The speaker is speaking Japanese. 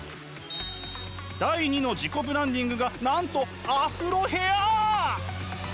第２の自己ブランディングがなんとアフロヘアー！